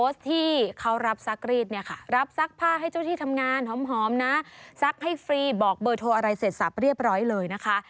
ซักให้ฟรีบอกเบอร์โทรอะไรเสร็จสับเรียบร้อยเลยนะคะ